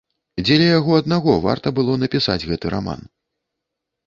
Дзеля яго аднаго варта было напісаць гэты раман.